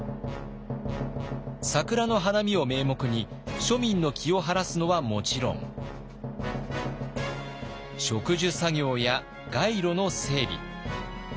桜の花見を名目に庶民の気を晴らすのはもちろん植樹作業や街路の整備